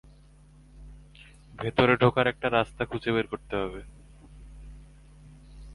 ভেতরে ঢোকার একটা রাস্তা খুঁজে বের করতে হবে।